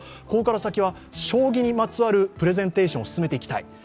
ここから先は将棋にまつわるプレゼンテーションを進めていきたい。